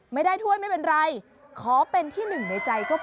ไม่ได้ถ้วยไม่เป็นไรขอเป็นที่๑ในใจก็พอ